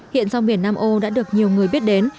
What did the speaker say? hiện rong biển nam âu đã được nhiều người biết đến